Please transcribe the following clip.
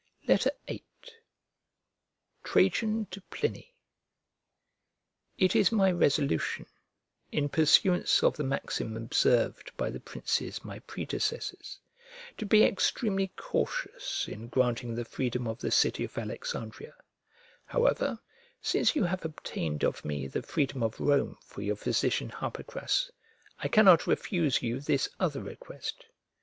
VIII TRAJAN TO PLINY IT is my resolution, in pursuance of the maxim observed by the princes my predecessors, to be extremely cautious in granting the freedom of the city of Alexandria: however, since you have obtained of me the freedom of Rome for your physician Harpocras, I cannot refuse you this other request.